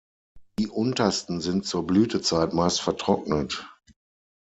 Die untersten sind zur Blütezeit meist vertrocknet.